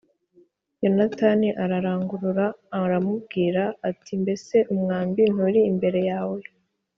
Yonatani ararangurura aramubwira ati “Mbese umwambi nturi imbere yawe?”